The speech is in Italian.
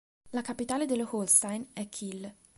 La capitale dello Holstein è Kiel.